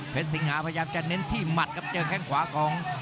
สิงหาพยายามจะเน้นที่หมัดครับเจอแข้งขวาของ